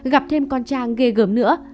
gặp thêm con trang ghê gớm nữa